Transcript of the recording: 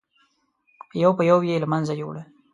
یو په یو یې له منځه یووړل.